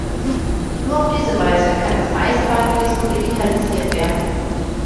Nur auf diese Weise kann das Eisenbahnwesen revitalisiert werden.